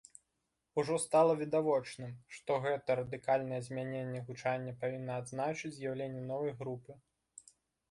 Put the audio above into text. Ужо стала відавочным, што гэта радыкальнае змяненне гучання павінна адзначыць з'яўленне новай групы.